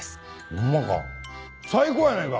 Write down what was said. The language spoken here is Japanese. ホンマか最高やないか！